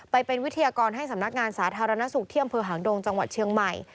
ไปเป็นวิทยากรให้สำนักงานสาธารณสุขที่อำเภอหางดงจังหวัดเชียงใหม่